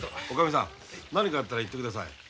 女将さん何かあったら言ってください。